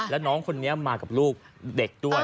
แล้วน้องคนนี้มากับลูกเด็กด้วย